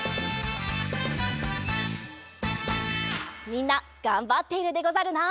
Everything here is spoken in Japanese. みんながんばっているでござるな。